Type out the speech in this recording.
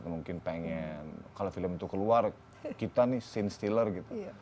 mungkin pengen kalau film itu keluar kita nih scene stiller gitu